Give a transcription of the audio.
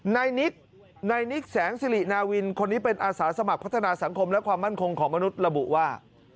นายนิกแสงสิรินาวินคนนี้เป็นอาสาสมัครพัฒนาสังคมและความมั่นคงของมนุษย์ระบุว่า